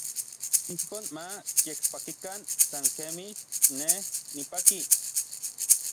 Ijkon ma yekpakikan san kemij n nej nipaki.